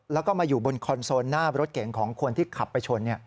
แล้วก็มาอยู่บนคอนโซลหน้ารถเก่งของคนที่ขับไปชน